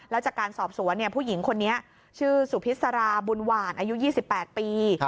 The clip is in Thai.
แล้วจากการสอบสวนผู้หญิงคนนี้ชื่อสุพิษราบุญหวานอายุ๒๘ปี